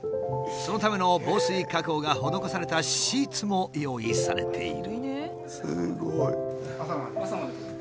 そのための防水加工が施されたシーツも用意されている。